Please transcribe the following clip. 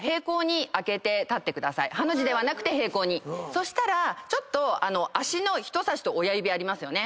そしたらちょっと足の人さしと親指ありますよね。